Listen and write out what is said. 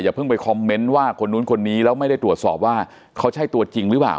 เพิ่งไปคอมเมนต์ว่าคนนู้นคนนี้แล้วไม่ได้ตรวจสอบว่าเขาใช่ตัวจริงหรือเปล่า